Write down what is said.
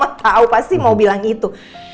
mama tau pasti mau bilang itu